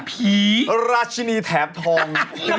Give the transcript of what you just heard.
ผีราชินีแถบทอง